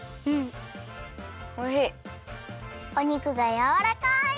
おにくがやわらかい！